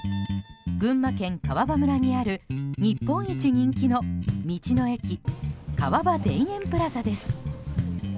群馬県川場村にある日本一人気の道の駅川場田園プラザです。